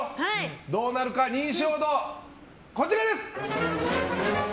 どうなるか、認証度、こちらです。